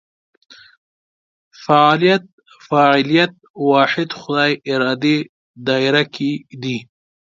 فعالیت فاعلیت واحد خدای ارادې دایره کې دي.